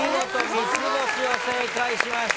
３つ星を正解しました。